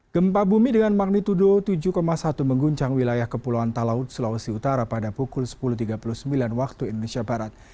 gempa bumi dengan magnitudo tujuh satu mengguncang wilayah kepulauan talaut sulawesi utara pada pukul sepuluh tiga puluh sembilan waktu indonesia barat